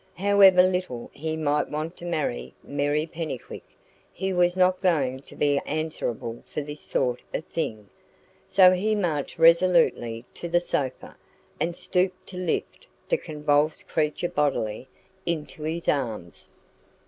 However little he might want to marry Mary Pennycuick, he was not going to be answerable for this sort of thing; so he marched resolutely to the sofa, and stooped to lift the convulsed creature bodily into his arms.